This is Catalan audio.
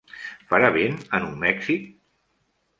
Farà vent a Nou Mèxic?